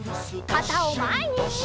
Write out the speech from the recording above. かたをまえに！